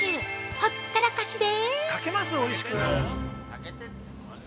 ほったらかしで。